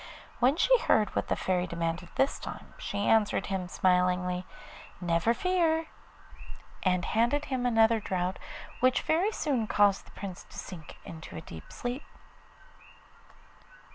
When she heard what the Fairy demanded this time, she answered smilingly, 'Never fear,' and handed him another draught, which very soon caused the Prince to sink into a deep sleep.